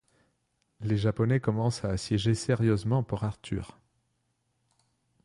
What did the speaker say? Les Japonais commencent à assiéger sérieusement Port-Arthur.